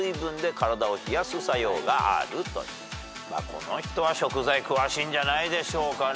この人は食材詳しいんじゃないでしょうかね。